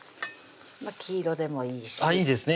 まぁ黄色でもいいしあっいいですね